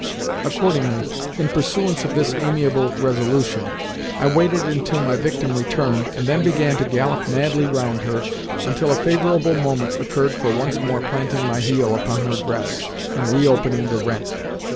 Accordingly, in pursuance of this amiable resolution, I waited until my victim returned, and then began to gallop madly round her, until a favourable moment occurred for once more planting my heel upon her dress and reopening the rent.